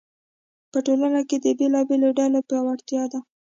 په ټولنه کې د بېلابېلو ډلو پیاوړتیا ده.